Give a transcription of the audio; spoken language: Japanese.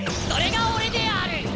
それが俺である！